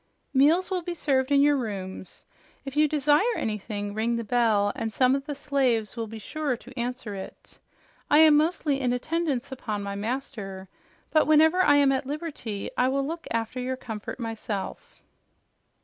"Meals will be served in your rooms. If you desire anything, ring the bell and some of the slaves will be sure to answer it. I am mostly in attendance upon my master, but whenever I am at liberty I will look after your comfort myself."